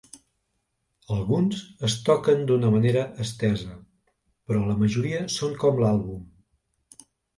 Alguns es toquen d'una manera estesa, però la majoria són com l'àlbum.